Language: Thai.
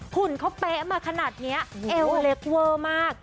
ุ่นเขาเป๊ะมาขนาดนี้เอวอเล็กเวอร์มาก